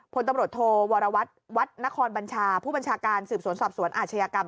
พลตำรวจโทวรวัตรวัดนครบัญชาผู้บัญชาการสืบสวนสอบสวนอาชญากรรม